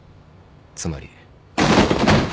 つまり。